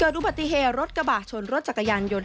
เกิดไปอุบัติฮีรถกระบะชนรถจักรยานยนต์